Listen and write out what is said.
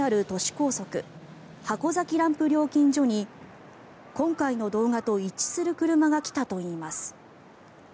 高速箱崎ランプ料金所に今回の動画と一致する車が来たといいます。